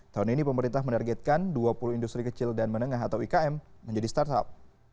tahun ini pemerintah menargetkan dua puluh industri kecil dan menengah atau ikm menjadi startup